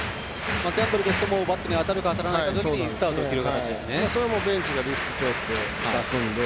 ギャンブルですとバットに当たるか当たらないかのときにスタートを切る形ですね。